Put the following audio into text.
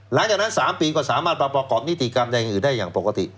หลังจากนั้น๓ปีก็สามารถประกอบนิติกรรมใดอย่างอื่นได้อย่างปกติ